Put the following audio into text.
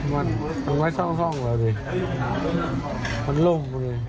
มันไม่ช่องเลยดิมันลุ่ม